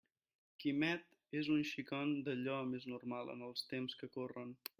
Quimet és un xicon d'allò més normal en els temps que corren.